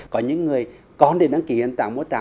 có những người con để đăng ký hiện tạng mô tả